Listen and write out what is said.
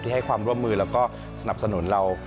ให้ความร่วมมือแล้วก็สนับสนุนเรา